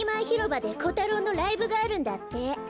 ひろばでコタロウのライブがあるんだって。